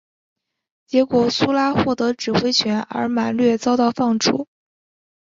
结果苏拉获得指挥权而马略遭到放逐。